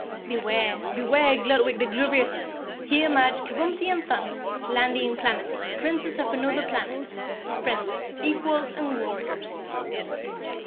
"Beware! Beware, Gludwig the Glubrious! Here march Kabumpty and Thun, Slandy and Planetty, Princess of Anuther Planet. Friends, equals and warriors!"